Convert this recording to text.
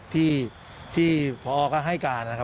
ที่พอก็ให้การนะครับ